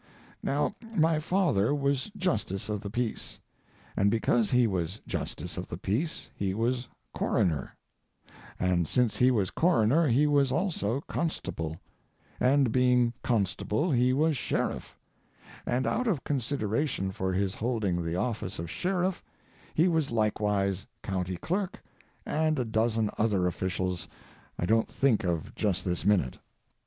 Now, my father was justice of the peace, and because he was justice of the peace he was coroner; and since he was coroner he was also constable; and being constable he was sheriff; and out of consideration for his holding the office of sheriff he was likewise county clerk and a dozen other officials I don't think of just this minute.